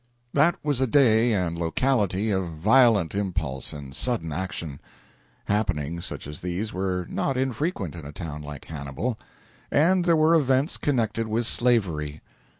That was a day and locality of violent impulse and sudden action. Happenings such as these were not infrequent in a town like Hannibal. And there were events connected with slavery.